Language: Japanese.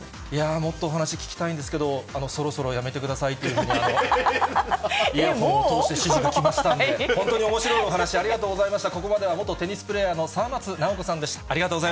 もっとお話聞きたいんですけれども、そろそろやめてくださいというふうに、イヤホンを通して指示が来ましたので、本当におもしろいお話、ありがとうございました。